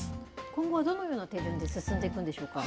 今後はどのような手順で進んでいくんでしょうか。